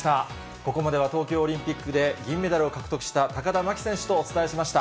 ここまでは東京オリンピックで銀メダルを獲得した高田真希選手とお伝えしました。